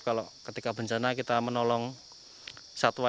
kalau ketika bencana kita menolong satu hewan